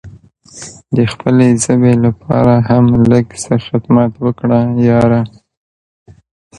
د خپلې ژبې لپاره هم لږ څه خدمت وکړه یاره!